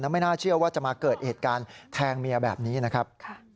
ไม่น่าเชื่อว่าจะมาเกิดเหตุการณ์แทงเมียแบบนี้นะครับ